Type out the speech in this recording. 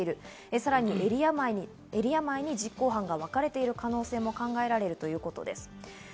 さらにエリアごとに実行犯がわかれている可能性も考えられるということです。